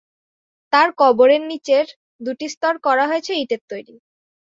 তার কবরের নিচের দুটি স্তর করা হয়েছে ইটের তৈরী।